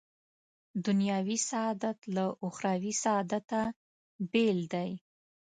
دنیوي سعادت له اخروي سعادته بېل دی.